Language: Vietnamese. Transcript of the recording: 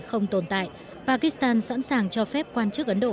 những trại huấn luyện không tồn tại pakistan sẵn sàng cho phép quan chức ấn độ